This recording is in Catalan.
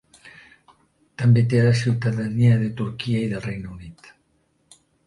També té la ciutadania de Turquia i del Regne Unit.